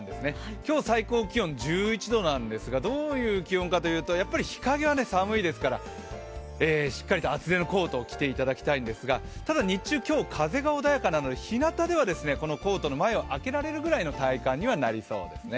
今日、最高気温１１度なんですが、どういう気温かというと、やっぱり日陰は寒いですからしっかりと厚手のコートを着ていただきたいんですがただ日中、今日風が穏やかなのでひなたではコートの前を開けられるくらいの体感にはなりそうですね。